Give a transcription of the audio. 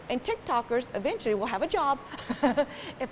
dan tiktokers nanti akan punya pekerjaan